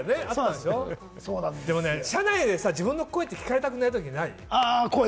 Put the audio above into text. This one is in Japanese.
車内で自分の声って聞かれたくないときってない？